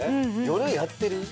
夜やってる？